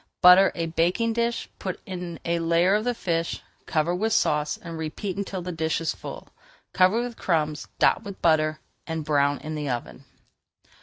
Butter a baking dish, put in a layer of the fish, cover with sauce, and repeat until the dish is full. Cover with crumbs, dot with butter, and brown in the oven.